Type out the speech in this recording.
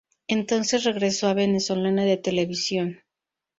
Entonces regresó a Venezolana de Televisión.